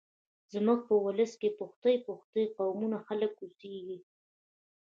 زموږ په ولس کې پښتۍ پښتۍ قومونه خلک اوسېږيږ